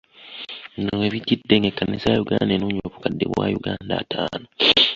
Bino we bijjidde ng’ekkanisa ya Uganda enoonya obukadde bwa Uganda ataano.